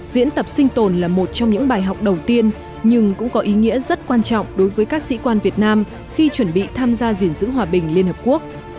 diễn tập sinh tồn là một trong những bài học đầu tiên nhưng cũng có ý nghĩa rất quan trọng đối với các sĩ quan việt nam khi chuẩn bị tham gia diễn giữ hòa bình liên hợp quốc